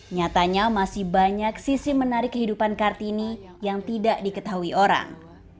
nyatanya masih banyak sisi menarik kehidupan kartini yang tidak diketahui orang